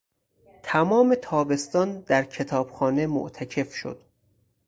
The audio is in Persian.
تمام تابستان در کتابخانه معتکف شد.